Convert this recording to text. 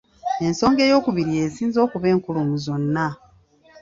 Ensonga eyookubiri y'esinze okuba enkulu mu zonna.